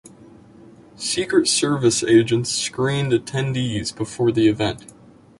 Secret Service agents screened attendees before the event.